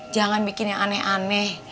jangan bikin yang aneh aneh